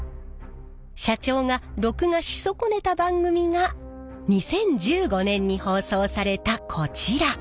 社長が録画し損ねた番組が２０１５年に放送されたこちら。